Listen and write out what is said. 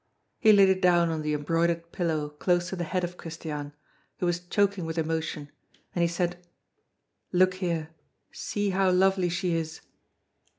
He laid it down on the embroidered pillow close to the head of Christiane, who was choking with emotion, and he said: "Look here, see how lovely she is!"